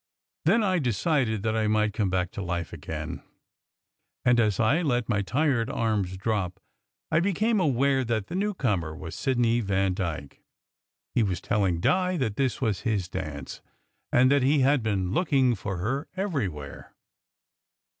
Then I decided that I might come back to life again; and as I let my tired arms drop, I became aware that the newcomer was Sidney Vandyke. He was telling Di that this was his dance, and that he had been looking for her everywhere.